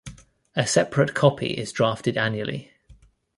A separate copy is drafted annually.